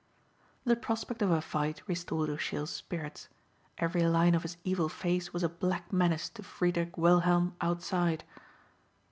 The prospect of a fight restored O'Sheill's spirits. Every line of his evil face was a black menace to Friedrich Wilhelm outside.